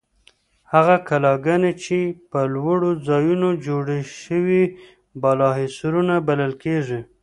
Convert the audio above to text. هغه کلاګانې چې په لوړو ځایونو جوړې شوې بالاحصارونه بلل کیږي.